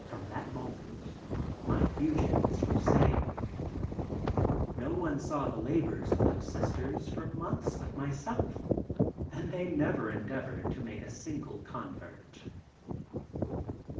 From that moment my fugitives were saved. No one saw the labors of those Sisters for months but myself, and they never endeavored to make a single convert."